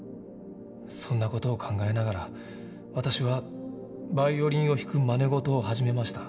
そんな事を考えながら私はバイオリンを弾くまね事を始めました。